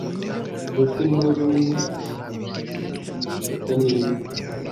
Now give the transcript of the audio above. urupfu ni rumwe, impumeko ni imwe